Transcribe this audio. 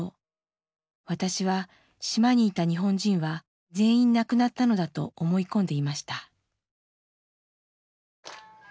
私は島にいた日本人は全員亡くなったのだと思い込んでいました。